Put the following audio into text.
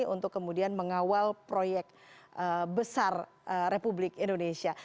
untuk kemudian mengawal proyek besar republik indonesia